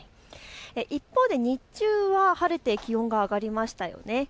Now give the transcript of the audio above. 一方で日中は晴れて気温が上がりましたよね。